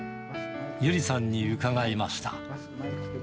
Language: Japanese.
ゆりさんに伺いました。